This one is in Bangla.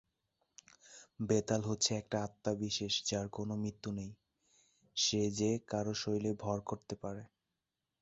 বেতাল হচ্ছে একটা আত্মা বিশেষ যার কোনো মৃত্যু নেই, সে যে কারো শরীরে ভর করতে পারে।